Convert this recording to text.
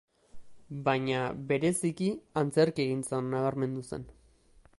Baina bereziki antzerkigintzan nabarmendu zen.